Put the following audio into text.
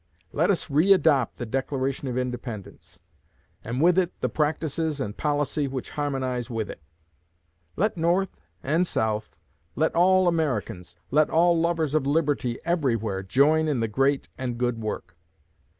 Let us re adopt the Declaration of Independence, and with it the practices and policy which harmonize with it. Let North and South let all Americans let all lovers of liberty everywhere join in the great and good work.